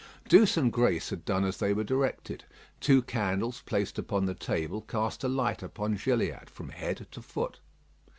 Douce and Grace had done as they were directed. Two candles placed upon the table cast a light upon Gilliatt from head to foot.